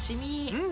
うん！